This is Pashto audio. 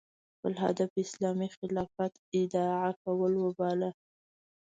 خپل هدف اسلامي خلافت اعاده کول وباله